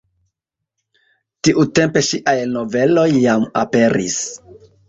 Tiutempe ŝiaj noveloj jam aperis.